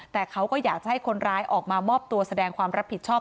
แต่เขาก็อยากจะให้คนร้ายออกมามอบตัวแสดงความรับผิดชอบ